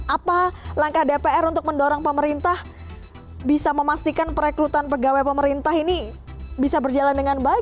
apa langkah dpr untuk mendorong pemerintah bisa memastikan perekrutan pegawai pemerintah ini bisa berjalan dengan baik